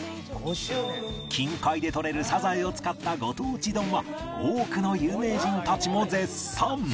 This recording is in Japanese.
近海でとれるさざえを使ったご当地丼は多くの有名人たちも絶賛！